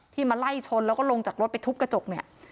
มาไล่ชนแล้วก็ลงจากรถไปทุบกระจกเนี่ย